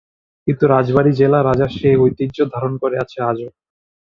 কিন্তু রাজবাড়ী জেলা রাজার সেই ঐতিহ্য ধারণ করে আছে আজো।